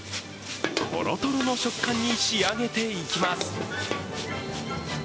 とろとろの食感に仕上げていきます。